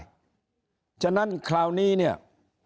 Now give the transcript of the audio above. อยากจะบอกนายกเศษฐาว่า